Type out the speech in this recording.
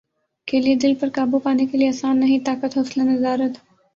کے لیے دل پر قابو پانے کیلئے آسان نہیں طاقت حوصلہ ندارد